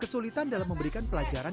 kesulitan dalam memberikan pelajaran